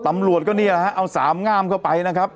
ตำรวจก็นี่แหละฮะเอาสามงามเข้าไปนะครับ